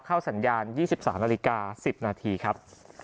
เข้าสัญญาณ๒๓นาฬิกา๑๐นาทีครับ